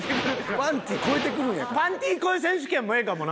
パンティ越え選手権もええかもな。